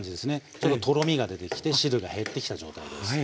ちょっととろみが出てきて汁が減ってきた状態です。